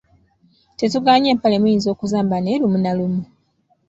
Tetugaanye empale muyinza okuzambala naye lumu na lumu.